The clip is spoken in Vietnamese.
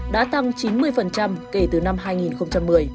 đã tăng chín mươi kể từ năm hai nghìn một mươi